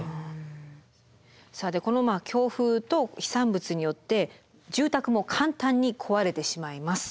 さあでこの強風と飛散物によって住宅も簡単に壊れてしまいます。